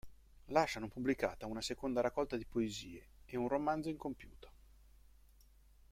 Lascia non pubblicata una seconda raccolta di poesie e un romanzo incompiuto.